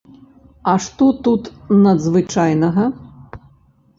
А што тут надзвычайнага?